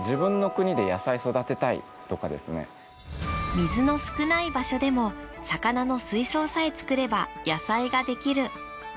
水の少ない場所でも魚の水槽さえ作れば野菜が出来る。